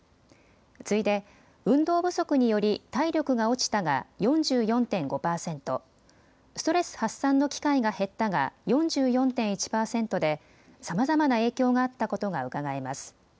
次いで運動不足により体力が落ちたが４４．５％、ストレス発散の機会が減ったが４４．１％でさまざまな影響があったことがうかがえます。